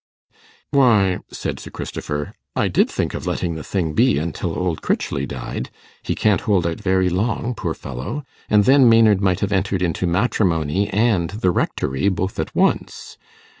'Why,' said Sir Christopher, 'I did think of letting the thing be until old Crichley died; he can't hold out very long, poor fellow; and then Maynard might have entered into matrimony and the rectory both at once.